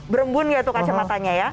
berembun ya tuh kacamatanya ya